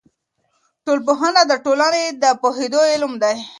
ټولنپوهنه د ټولني د پوهېدو علم دی.